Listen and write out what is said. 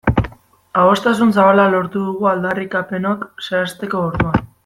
Adostasun zabala lortu dugu aldarrikapenok zehazteko orduan.